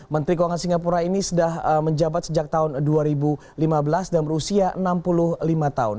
menteri keuangan singapura ini sudah menjabat sejak tahun dua ribu lima belas dan berusia enam puluh lima tahun